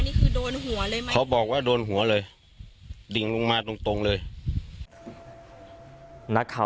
นี่คือโดนหัวเลยไหมเขาบอกว่าโดนหัวเลยดิ่งลงมาตรงตรงเลยนักข่าว